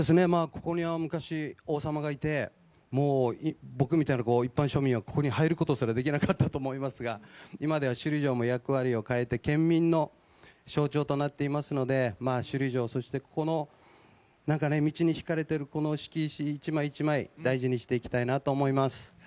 ここには昔、王様がいて僕みたいな一般庶民はここに入ることすらできなかったと思いますが今では首里城も役割を変えて県民の象徴となっていますので首里城、そして道に敷かれている敷石一枚一枚大事にしていきたいと思います。